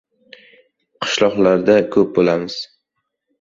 Qishloqlarda ko‘p bo‘lamiz.